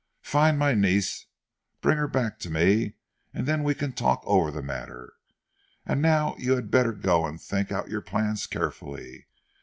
Find my niece, bring her back to me, and then we can talk over the matter. And now you had better go and think out your plans carefully.